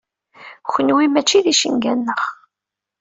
Kenwi mačči d icenga-nneɣ.